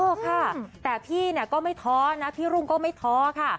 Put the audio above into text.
ค่ะแต่พี่เนี่ยก็ไม่ท้อนะพี่รุ่งก็ไม่ท้อค่ะ